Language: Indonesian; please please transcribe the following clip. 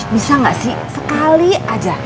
bisa nggak sih sekali aja